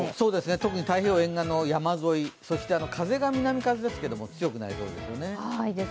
特に太平洋沿岸の山沿い、川が南風ですが強くなりそうです。